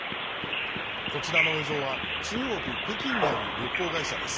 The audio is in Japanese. こちらの映像は、中国・北京にある旅行会社です。